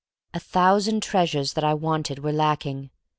A thousand treasures that I wanted were lacking.